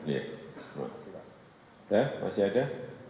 ya masih ada